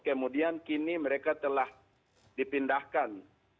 kemudian kini mereka telah dipindahkan